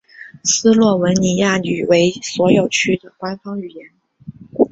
斯洛文尼亚语为所有区的官方语言。